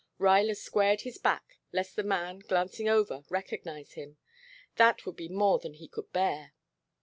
Ruyler squared his back lest the man, glancing over, recognize him. That would be more than he could bear.